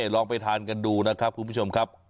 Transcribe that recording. ลองไปทานกันดูนะครับคุณผู้ชมครับ